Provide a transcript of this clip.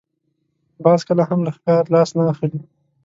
باز کله هم له ښکار لاس نه اخلي